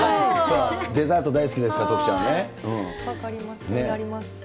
デザート大好きですから、分かります、分かります。